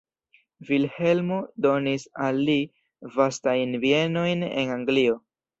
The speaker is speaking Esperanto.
Vilhelmo donis al li vastajn bienojn en Anglio.